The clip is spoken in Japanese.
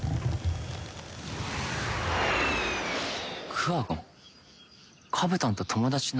クワゴンカブタンと友達なのか？